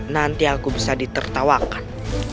nanti aku bisa ditertawakan